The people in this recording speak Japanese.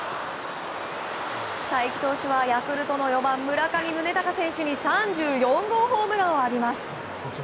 才木投手はヤクルトの４番、村上宗隆選手に３４号ホームランを浴びます。